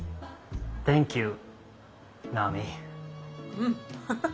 うん。